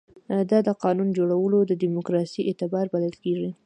دا د قانون جوړولو دیموکراسي اعتبار بلل کېږي.